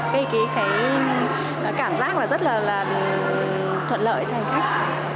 cái cảm giác là rất là thuận lợi cho hành khách